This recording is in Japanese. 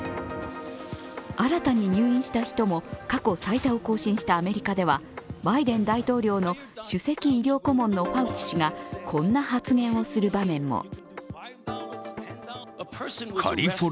新たに入院した人も過去最多を更新したアメリカではバイデン大統領の首席医療顧問のファウチ氏がこんな発言をする場面も。